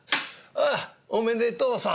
「ああおめでとうさん」。